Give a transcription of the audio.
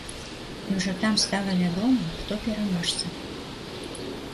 І ўжо там стала вядома, хто пераможцы.